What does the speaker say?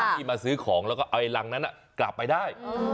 ที่มาซื้อของแล้วก็เอารังนั้นกลับไปได้